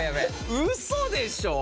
ウソでしょ！？